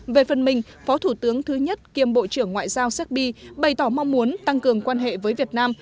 về phần mình phó thủ tướng thứ nhất kiêm bộ trưởng ngoại giao séc bi bày tỏ mong muốn tăng cường quan hệ với việt nam